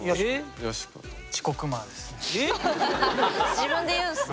自分で言うんすね。